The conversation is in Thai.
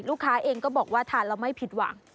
ลูกค้าเองก็บอกว่าทานแล้วไม่ผิดหวัง